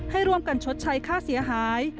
ให้ร่วมกันชดใช้ค่าเสียหาย